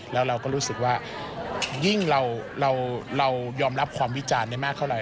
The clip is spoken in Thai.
แล้วเราก็รู้สึกว่ายิ่งเรายอมรับความวิจารณ์ได้มากเท่าไห